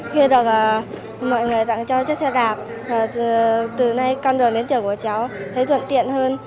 khi được mọi người tặng cho chiếc xe đạp từ nay con đường đến chợ của cháu thấy thuận tiện hơn